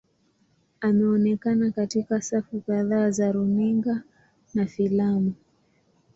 Ameonekana katika safu kadhaa za runinga na filamu.